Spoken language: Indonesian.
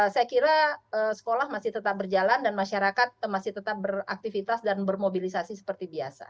saya kira sekolah masih tetap berjalan dan masyarakat masih tetap beraktivitas dan bermobilisasi seperti biasa